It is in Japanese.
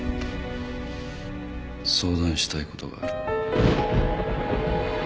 相談したい事がある。